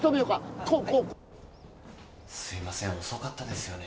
すいません遅かったですよね。